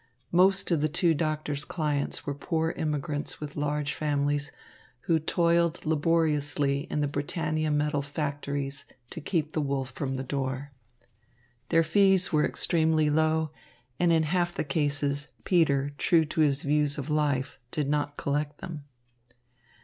Most of the two doctors' clients were poor immigrants with large families, who toiled laboriously in the Britannia metal factories to keep the wolf from the door. Their fees were extremely low, and in half the cases Peter, true to his views of life, did not collect them.